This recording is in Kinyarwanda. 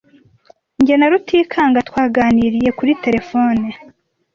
Jye na Rutikanga twaganiriye kuri terefone.